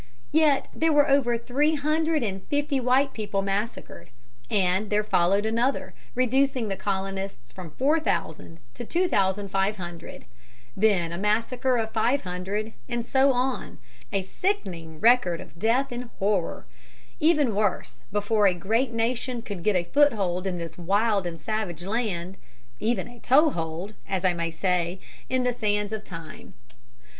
] Yet there were over three hundred and fifty white people massacred, and there followed another, reducing the colonists from four thousand to two thousand five hundred, then a massacre of five hundred, and so on, a sickening record of death and horror, even worse, before a great nation could get a foothold in this wild and savage land; even a toe hold, as I may say, in the sands of time.